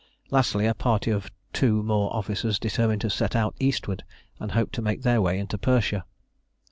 Lastly, a party of two more officers determined to set out eastward, and hoped to make their way into Persia.